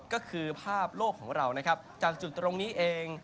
ก็คือภาพโลกของเรานะครับจากจุดตรงนี้เอง